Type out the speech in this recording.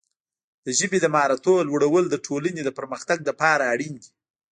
د ژبې د مهارتونو لوړول د ټولنې د پرمختګ لپاره اړین دي.